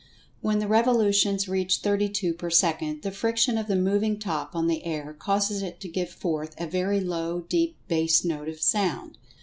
When the revolutions reach thirty two per second the friction of the moving Top on the air causes it to give forth a very low, deep, bass note of sound.